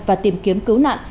và tìm kiếm cứu nạn